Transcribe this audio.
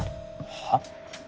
はっ？